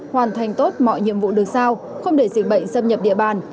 hoàn thành tốt mọi nhiệm vụ được sao không để dịch bệnh xâm nhập địa bàn